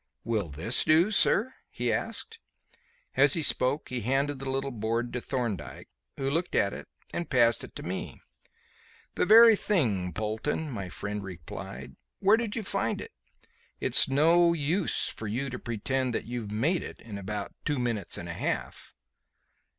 "Will this do, sir?" he asked. As he spoke he handed the little board to Thorndyke, who looked at it and passed it to me. "The very thing, Polton," my friend replied. "Where did you find it? It's of no use for you to pretend that you've made it in about two minutes and a half."